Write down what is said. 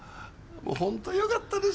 本当よかったです。